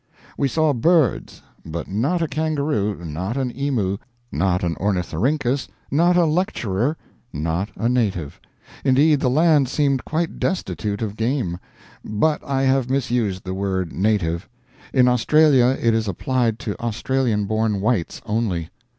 We saw birds, but not a kangaroo, not an emu, not an ornithorhynchus, not a lecturer, not a native. Indeed, the land seemed quite destitute of game. But I have misused the word native. In Australia it is applied to Australian born whites only.